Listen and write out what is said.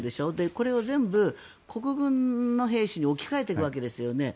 これを全部、国軍の兵士に置き換えていくわけですよね。